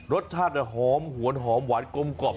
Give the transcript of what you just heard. รสชาติหอมหวนหอมหวานกลมกล่อม